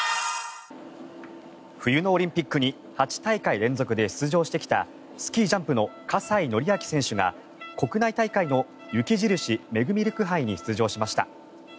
冬のオリンピックに８大会連続で出場してきたスキージャンプの葛西紀明選手が国内大会の雪印メグミルク杯に出場しました。